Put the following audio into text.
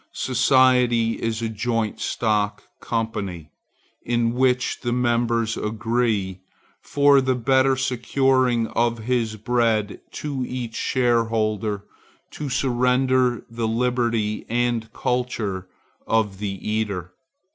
Society is a joint stock company, in which the members agree, for the better securing of his bread to each shareholder, to surrender the liberty and culture of the eater.